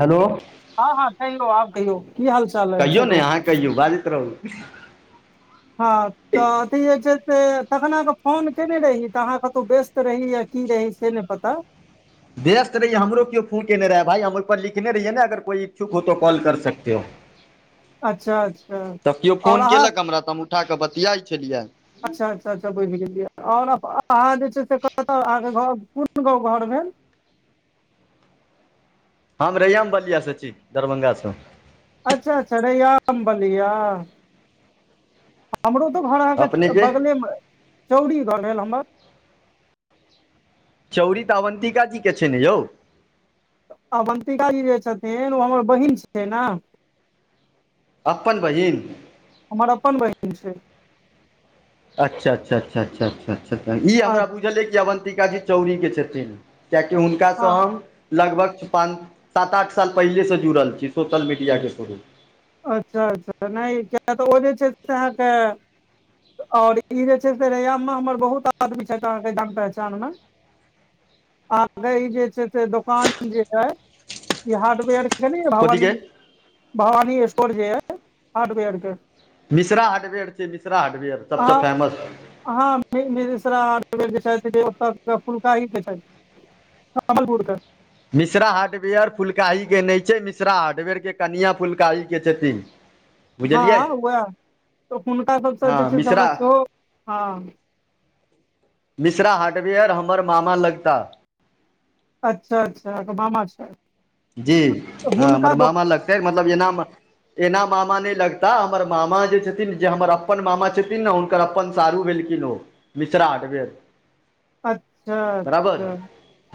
Hello हँ हँ कहियौ आब कहियौ की हाल छै कहियौ ने अहाँ कहियौ बाजैत रहू हँ तऽ अथी जे छै से तखन अहाँके फोन केयने रही तऽ अहाँ कतहु व्यस्त रही या की रही से नहि पता व्यस्त रहियैरो केओ फोन केने रह भााय हम ओहिप पर लिखने रहियै ने अगर कोइ इच्छु हो तो कॉल कर सकते हो। अच्छा अच्छा आओर अहाँ उठाके बतियाइत छलियै। अच्छा अच्छा अच्छा बुझ गेलियै आओर अहाँ जे छै से कतय अहाँके घर कोन गव घर भेल हम रैयाम बलिआँ छी दरभंगा सँ अच्छा अच्छा रैयाम बलिया हमरो तऽ घर अहाँके अपनेके बगलेमे चौरी घर भेल हमर चौरी त अवन्तिका जी के छै ने यौ अवन्तिका जी जे छथिन ओ हमर बहिन छिय ने अपन बहिन हमर अपन बहिन छै अच्छा अच्छा अच्छा अच्छा अच् अच् ई हँ हमरा बुझलै कि अवन्तिका जी चौड़ीके छथिन कियाकि हुनकासँ हम लगभग पाँच सात आठ साल पहिलेसँ जुड़ल छी सोशल मीडियाके थ्रू। अच्छा अच्छा नहि किया तऽ ओ जे छै से अहाँके और ई जे छै से रैयाम मे हमर बहुत आदमी छथि अहाँके जान पहचान मे आगे ई जे छै से दोकान जे हय ई हार्डवेयर भावानी कथीके भावानी स्टोर जे हेय हार्डवेर के मिश्रा हार्डवेयर छिय मिश्रा हार्डवेयर सबसँ फेमस ह मिश्रार जे छै से ओ फुलकाही के छै। [unintelligible] मिश्रा हार्डवेयर फुलकाहीके नहि छै मिश्रा हार्डवेयरके कनिआ फुलकाहीके छथिन। हँ बुझलियै उहै तऽ हुनका सभ स जे हँ छै से मिश्रा हम सेहो हँ। मिश्रा हार्डवेयर हमर मामा लगता अच्छा अच्छा अहाँ कऽ मामा छै। जी हँ हमर मामा लगतै मतलब एना एना मामा नै लगता हमर मामा जे छथिन जे हमर अपन मामा छथिन ने हुनकर अपन सारू भेलखिन ओ मिश्रा हार्डबेर। अच्छा [inaudible] बराबर अच्छा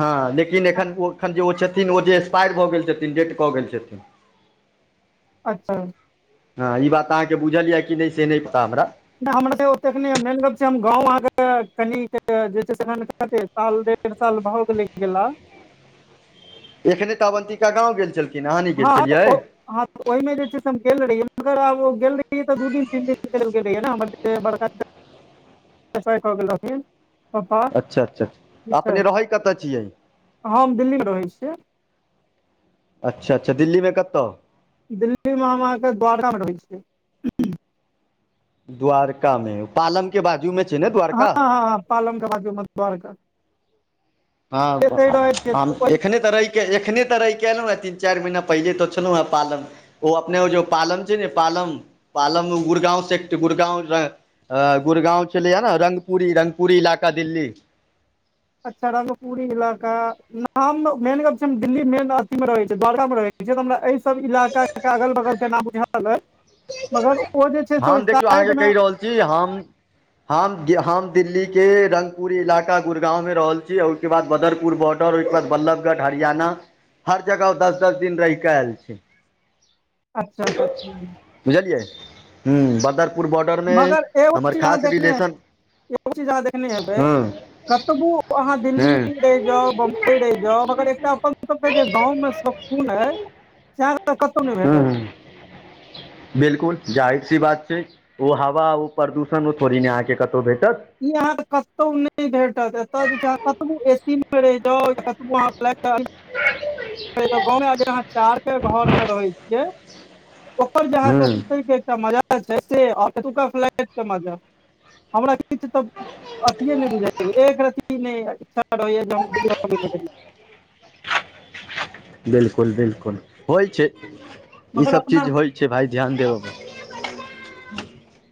हँ लेकिन एखन ओ एखन जे ओ छथिन ओ जे पायर भऽ गेल छथिन डेट कऽ गेल छथिन। [unintelligible] हँ ई बात अहाँ केँ बुझल यऽ कि नै से नै पता हमरा नै हमरा तऽ ओते कऽ नै मैन गप छै गाँव अहाँ कऽ कीन कऽ जे छै से अखन कते साल डेढ़ साल भऽ गेले गेला। एखने तऽ अवन्तिका गाँव गेल छल हँ [unintelligible] ओइमे जे छै से हम गेल रहियै मगर आब गेल रहियै तऽ दू दिन तीन दिन लेल गेल रहियै [unintelligible] हमर जे छै ब बड़का [inaudible] एस्पायर गेल रहथिन पप्पा अच्छा अच्छा [inaudible] ठीक छै अपने रहै कतय छियै [inaudible] हम दिल्ली में रहै छियै। अच्छा अच्छा दिल्ले में कतऽ दिल्ली में हम अहाँ कऽ द्वारा म रहै छियै द्वारका में पालम केँ बाजू मे छै ने हऽ हऽ हऽ पालम कऽ बाजु म द्वारका [inaudible] एते रहै छियै हँ [unintelligible] ओहि एखने तऽ रही एखने तऽ रैह कऽ एलौ हऽ तीन चाइर महिना पहिले तऽ छलौं हऽ पालम ओ अपने ओ जो पालन छै न पालम पालम मे गुड़गाँव सेट गुड़गाँव अ गुड़गाँव छलै ए न रंगपुरी रंगपुरी इलाका दिल्ली अच्छा रंगपूरी इलाका ना हम मेन गप छै न दिल्ली मेन अथी मे रहे छै द्वारका में रहे छै तऽ हमरा एह सब इलाका केँ अगल बगल केँ नाम बुझल अइ। मगर ओ जे छै से ओ साड ना जी हम हम हम दिल्ली केँ रंगपुरी इलाका गुरगाँव में रहल छी औ ओइ केँ बाद बादरपुर बॉर्डर ओइ केँ बाद बल्लभगढ़ हरियाणा हर जगह ओ दस दस दिन रहि कऽ ऐल छैय अच्छा [unintelligible] बुझलियै हु बदरपुर बॉर्डर में मगर एगो हमर चीज अहाँ खास देखने रिलेशन एगो चीज अहाँ देखने हेब हँ [inaudible] कतबु अहाँ दिल्ली हँ म रैह जाउ रैह जा मगर एकटा अपन सब केँ जे गाँव में सुकून अय से [unintelligible] कतौ नैभेटत। बिल्कुल जाहिर सी बात छै ओ हवा ओ प्रदूषण ओ थोड़ी न अहाँकेँ कतौ भेटत। ई अहाँ कऽ कतौ नै भेटत एत जे छै अहाँ कतबु ए सी मे रहि जाउ कतबु अहाँ फ्लैट जाउ, गाँव अहाँ चार केँ घर में रहे छियै ओकर जे अहाँ हूँ कऽ सुते कऽ एकटा मजा [unintelligible] [unintelligible] बिल्कुल बिल्कुल होइ छै [inaudible] इ मगर सब अपना चीज होइ छैय भाइ ध्यान दियै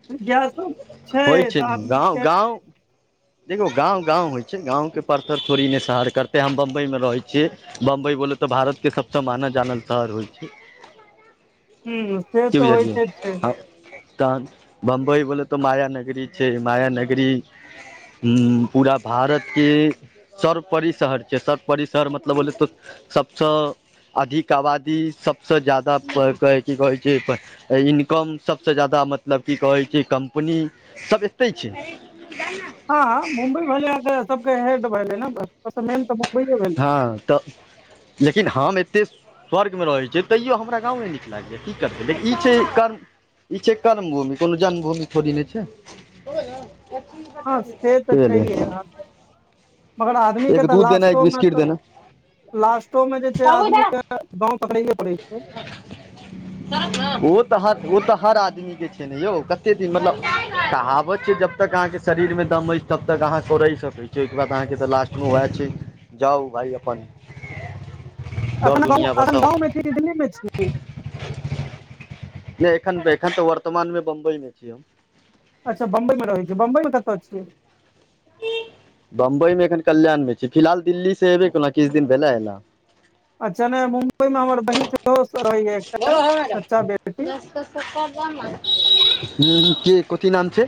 [unintelligible] होइ छै तऽ नु आदमी गाँव के गाँव देखौ गाँव गाँव होइ छै गाँव केँ परतर थोड़ी नै शहर करतै हम बम्बइ में रहै छियै बम्बइ बोलहु तऽ भारतके सभसँ मानल जानल शहर होइ छैय [inaudible] से कि तऽ बुझिलय होइते छै तन बम्बई बोल तऽ माया नगरी छैय माया नगरी हू पूरा भारत के सर्वपरी शहर छैय सर्वपरी शहर मतलब बोलै तऽ सभसँ अधिक आबादी सभसँ जादा की कहैत छैय इनकम सभसँ ज्यादा मतलब की कहैत छैय कम्पनीसभ एतहि छैय हँ मुम्बई भेलै तऽ सबके हेड भेले ने मेन तऽ मुम्बइए भेल हँ तऽ लेकिन हम एते स्वर्गमे रहैत छैय तैयो हमरा गाँवये नीक लागैय कि करतै देख इ छैय कर्म इ छैय कर्म भूमि कोनो जन्मभूमि थोड़ी नहि छैय हँ से तऽ कि भैलय छैहे अहाँके मगर आदमी एक के तऽ दूध देना एक लास्टो मे बिस्किट तऽ देना लास्टो में जे छैय आदमी के गाँंव पकड़ैे पड़ै छैय [inaudible] ओ तऽ ह ओ तऽ हर आदमीके छैय ने यौ कतेक दिन मतलब कहावत छैय जब तब तक अहाँके शरीर मे दम अछि तब तक अहाँ कोड़य सकैत छिय ओहिके बाद आहाँके तऽ लास्ट वएह छै जाउ भाय अपन दौड़ अखन गाँव दुनिया अखन बसाउ गाँव मे छिय दिल्ली मे छिय नहि एखन एखन तऽ वर्तमानमे बम्बई मे छिय हम अच्छा बम्बई मे रह छै बम्बई मे कतिय छिये बम्बई मे एखन कल्याण मे छिय फिलहाल दिल्ली से एबे केना किछु दिन भेलै एलला अच्छा ने मुम्बई मे हमर बहिन सेहो रहैया एकटा चचा बेटी हू के कथी नाम छैय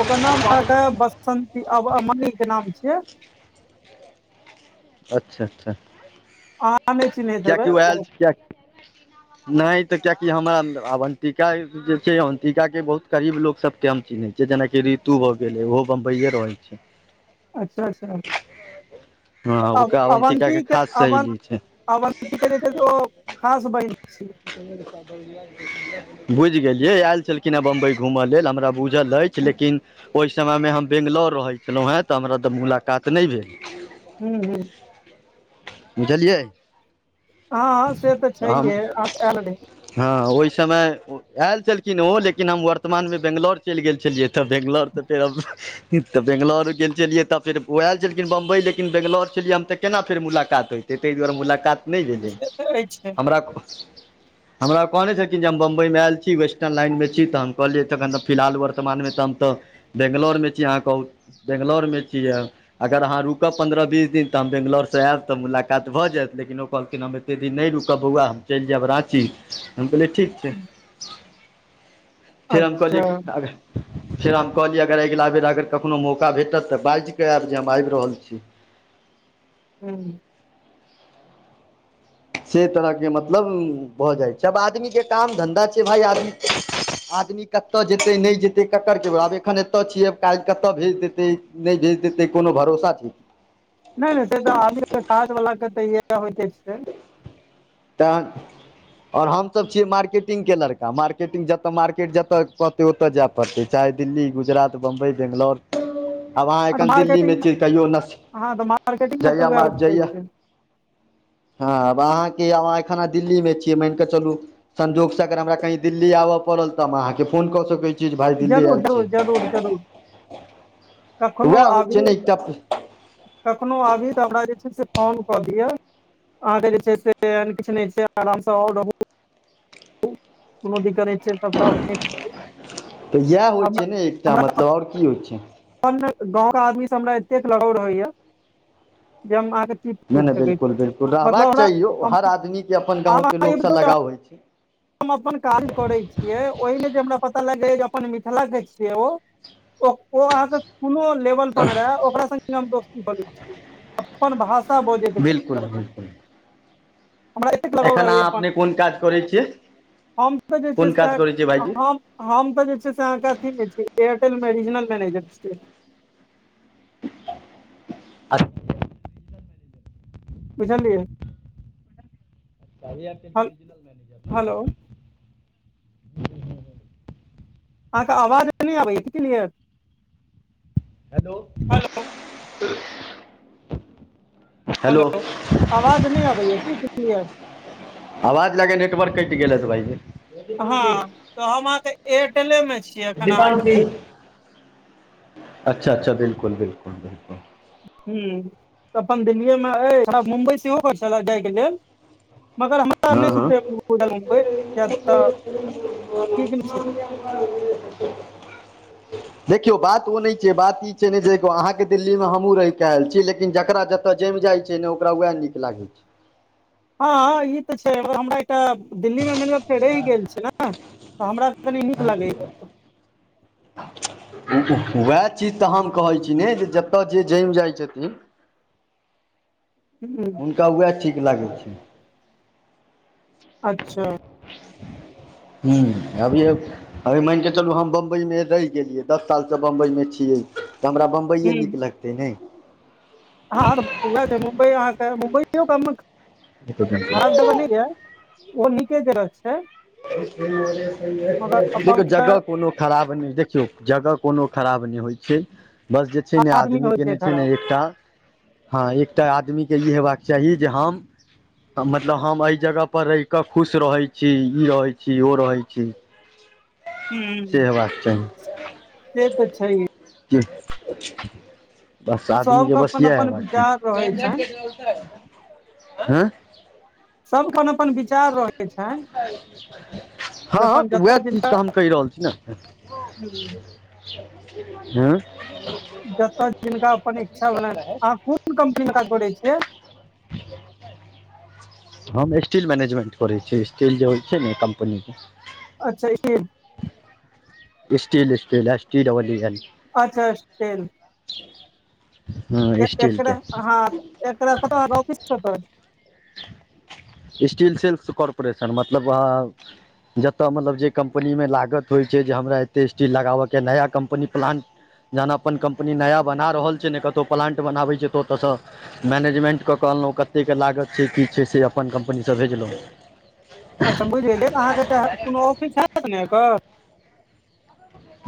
ओकर नाम रह बसन्ती अमण के नाम छिय अच्छा अच्छा आहाँ नहि चिन्हैत हेबे किएकि आयल ओ छै नहि तऽ कियाकि हमरा अवन्तिका जे छैय अंतिका के बहुत करीब लोग सब के हम चिन्है छिय जे जेनाकि ऋतु भए गेले ओहो बम्बईये रहल छैय [inaudible] अच्छा अच्छा हँ ओकरा अवन्तिका अवन्ती के खास अवन् सहेली छै अवन् [unintelligible] खास बहिन छिय [unintelligible] बुझि गेलियै आयल छलखिन हेँ बम्बई घुमय लेल हमरा बुझल अछि लेकिन ओहि समयमे हम बेंगलोर रहै छलहुँ हेँ तऽ हमरा तऽ मुलाकात नहि भेल हू हू बुझलियै हँ हँ से तऽ छैही हम आयल रहै हँ ओहि समय आयल छलखिन ओ लेकिन हम वर्तमानमे बेंगलौर चलि गेल छलियै तऽ बेंगलौर तऽ फेर तऽ बेैंगलौर गेल छलियै तऽ फेर ओएहल छलखिन बम्बइ लेकिन बैंगलौर छलियै हम तऽ केना फेर मुलाकात हो तैआरे मुलाक नहि भेलै से तऽ अछि हमरा हमरा कहने छलखिन जे हम बम्बइमे आयल छिय वेस्टर्न लाइनमे छिय तऽ हम कहलियै तखन तऽ फिलहाल वर्तमानमे तऽ हम तऽ बेंगलोरमे छिय अहाँ कहू बेैंगलौरमे छियै अगर अहाँ रुकब पन्द्रह बीस दिन तऽ हम बेैंगलौरसँ आएब तऽ मुलाकात भऽ जायत लेकिन ओ कहलखिन हम एतेक दिन नहि रुकब बौआ हम चलि जायब राँची हम कहलियै ठीक फर हम कहली अच्छा फेर हम कहलियै अगर अगिला बेर अगर कखनो मौका भेटत तऽ बाजि कऽ आयब जे हम आबि रहल छी हू से तरहके मतलब भऽ जाइ सब आदमीके काम धन्धा छै भाइ आदमी आदमी कतऽ जेतै नहि जेतै ककरके आब एखन एतऽ छियैब काल् कतऽ भेज देतै नहि भेज देतै कोनो भरोसा छै नहि नहि से तऽ आबी काज बला के तऽ इएह होइते छै ताँ आओर हमसभ छियै मार्केटिंगके लड़का मार्केटिंग जतऽ मार्केट जतय कहतै ओतय जाय पड़तै चाहे दिल्ली गुजरात बम्बइ बैंगलोर [inaudible] आब अहाँ एखन दिल्लीमे मार्केटिंग छीियै मे कहियो न हँ तऽ मार्केटिंग मे जइय तऽ वएह मार होइते जइया छै हँ आब अहाँकेहाँ एखना दिल्लीमे छियै मान कऽ चलू संजोगसँ अगर हमरा कहीँ दिल्ली आबय पड़ल तऽ हम अहाँकेँ फोन कऽ सकैत छी जे भाय दिल्ली जरूर आयल छी [unintelligible] कखनो वएह होइ छै ने [unintelligible] एकटा कखनो आबी तऽ हमरा जे छै से फोन कऽ दिअ अहाँ के जे छै से किछु ने छै आराम से आर रह कोनो दी करै छैिय सबटा अपने छियै तऽ इएह होइ हमरा छै ने एकटा हमरा तऽ मतलब आओर की होइ छै अपन गांव के आदमी से हमरा एतेक लगाव रहैया जे हम अहाँके किी नहि नहि पूछि सकै बिल्कुल छी बिल्कुल मतलब रहबाक चाही यौ हर हमरा आदमी के अपन गाँव आब के अहाँ लोकसँ एो लगाव होइ छै हम अपन काज करै छियै ओहिमे जे हमरा पता लगैय जे अपन मिथिला के छियै ओ ओ ओ अहाँके कोनो लेवल पर रहै ओकरा सङ्गे हम दोस्ती कऽ लेबे छिये अपन भाषा बोजैके बिल्कुल चकरमे बिल्कुल एखन अहाँ अपने कोन काज करै छियै हम तऽ जे छै कोन से काज करै छियै भाईजी हम हम तऽ जे छै से अहाँके अथी मे छी एयरटेल मे रीजनल मैनेजर छियै [unintelligible] बुझललियै तऽ ऐयरटेल के रीजनल मैनेजर अहाँके आवाज नहि आबैय क्लियर हेलो हेलो हेलो आवाज नहि अबैया की क्लियर आवाज लागे यऽ नेटवर्क कटि गेले हेतय भाइजी हँ तऽ हम अहाँके एयरटेले मे छीियै एखन अहाँ भाईजी अच्छा अच्छा बिल्कुल बिल्कुल बिल्कुल हू अपन दिल्लीए मे मुम्बई सेहो कर छल जाय के लेल मगर हमरा हँ नहि हँ सुटेबुल बझाइल मुबइ किया तऽ ठीक नहि छै [unintelligible] [inaudible] देखियौ बात ओ नहि छै बात ई छै ने अहाँके दिल्लीमे हमहूँ रहि कऽ आयल छी लेकिन जकरा ज त जम जाय छै ने ओकरा वएह नीक लागे छै हँ ई तऽ छै हमरा एकटा दिल्ली मे मेन बात छइकि रहि गेल छी ने तऽ हमरा कनी नीक लागैया [inaudible] उएह चीज तऽ हम कहै छी ने जे जतय जे जमि जाइ छथिन हूँ सब वएह ठीक लागै छै अच्छा हू अभीये - अभी मानि केऽ चलू हम बम्बइमे रहि गेलियै दस सालसँ बम्बइमे छियै तऽ हमरा बम्बइे हूँ नीक लगतै नै हँ त वएह मुंबइ आहाँ के मुंबइयो कामक देख [unintelligible] ओहो नीके जगह छै मगर अपन एक त जगह कोनो खराब नै देखियौ जगह कोनो खराब नै होइ छै बस जे छै ने आदमी केने छै ने एकटा हँ एकटा आदमी के ई हेबाक चाही जे हम मतलब हम एहि जगहपर रहि कऽ खुश रहै छी ई रहै छी ओ रहै छी से हूँ हेबाक से तऽ छै हे हूँ बस आदमी के सबके बस अपन इएह अपन हेबाक विचार रहै छनि चाही [unintelligible] हँ सब खन अपन विचार रही भ [unintelligible] जे हँ हँ अपन तऽ उएह जतऽ चीज जिनका तऽ हम कहि रहल छी ने हूँ हूँ जतऽ जिनका अपन इच्छा भेलनि अहाँ कोन कम्पनीमे काज करै छियै हम इस्टील मैनेजमेंट करै छै इस्टील जे होइ छै ने कम्पनी के अच्छा ई steel steel S T double E L अच्छा इस्टील हूँ इस्टील के एकरा हँ एकरा कत हन ओफिस कत् अइ इस्टील सेल्स कॉर्पोरेसन मतलब जतय मतलब जे कम्पनीमे लागत होइ छै जे हमरा एतेक स्टील लगाबऽके नया कम्पनी प्लान्ट जहन अपन कम्पनी नया बना रहल छै ने कतौ प्लांट बनाबै छै तऽ ओतयसँ मैनेजमेंट क क अनलौ कते के लागत छै की छै से अपन कम्पनीसँ भेजलौं अच्छा बुझि गेलियै अहाँके कोनो ऑफिस हयत ने एकर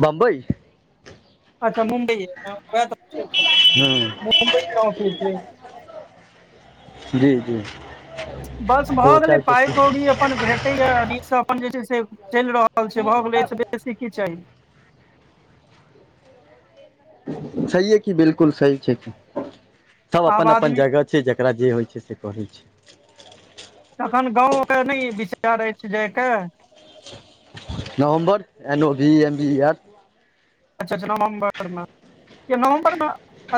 बम्बइ अच्छा मुंम्बइ य वएह तऽ पुछै छलौं हूँ मुंबइ के ऑफिस जी जी बस भ एगो गेलै चाय पाइ पत्ती कैरी अ अपन भेटैया नीकसँ अपन जे छै से चलि रहल छै भऽ गेलै ऐसे बेसी की चाही छै हे की बिल्कुल सही छै सब आब अपन अपन आदमी जगह छै जकरा जे होइ छै से करै छै तखन गाँव ओकरा नै विचार अछि जायके नवम्बर एन ओ भी E M B E R अच्छा अच्छा नवम्बर मे नवम्बर मे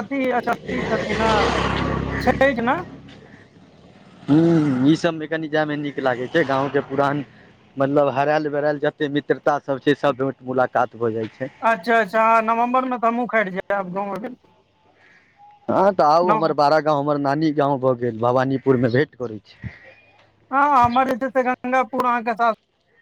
अथि अच्छा फ्रि छथिन ने छैठ मे हु ई सब में कनि जाय में नीक लागै छै गाँव केँ पुरान मतलब हराल बेराल जते मित्रता सब छै सब भेट मुलाकात भऽ जाय छै अच्छा अच्छा हऽ नवम्बर में तऽ हमहुँ खैर जैब गाँव ऐबेर हँ तऽ आउ हमर बड़ा गाँव हमर नानी गाँव भऽ गेल भवानीपुर में भेट करै छी हऽ हऽ हमर जे छै गंगाापुर अहाँ कऽ सासु